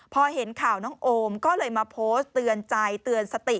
พอเห็นข่าวน้องโอมก็เลยมาโพสต์เตือนใจเตือนสติ